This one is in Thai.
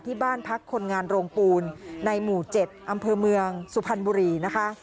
ที่บ้านพักคนงานโรงปูนในหมู่๗อำเภอเมืองสุพรรณบุรีนะคะ